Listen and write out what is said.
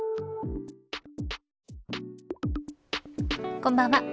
こんばんは。